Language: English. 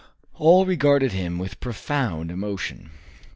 All regarded him with profound emotion.